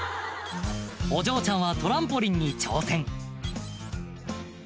お嬢ちゃんはトランポリンに挑戦